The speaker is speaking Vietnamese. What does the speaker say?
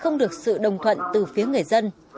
không được sự đồng thuận từ phía người dân